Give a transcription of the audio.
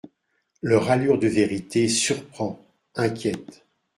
Leur allure de vérité surprend, inquiète.